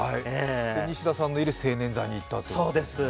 西田さんのいる青年座に行ったんですね